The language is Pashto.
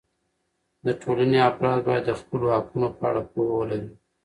د ټولنې افراد باید د خپلو حقونو په اړه پوهه ولري.